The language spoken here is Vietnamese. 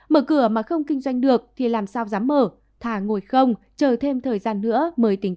mở cửa mà không kinh doanh được thì làm sao dám mở thả ngồi không chờ thêm thời gian nữa mới tính tới